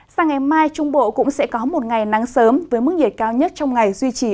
sang ngày mai trung bộ cũng sẽ có một ngày nắng sớm với mức nhiệt cao nhất trong ngày duy trì